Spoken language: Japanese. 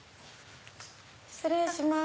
失礼します。